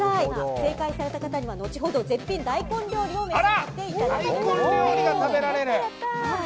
正解された方にはのちほど絶品大根料理を召し上がっていただきます。